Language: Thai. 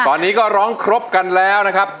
ตอนนี้ก็ร้องครบกันแล้วนะครับ